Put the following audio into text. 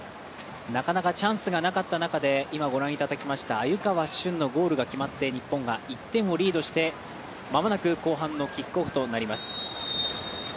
なかなかチャンスがなかった中で鮎川峻のゴールが決まって、日本が１点をリードしてまもなく後半のキックオフとなります。